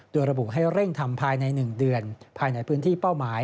โดยระบุให้เร่งทำภายใน๑เดือนภายในพื้นที่เป้าหมาย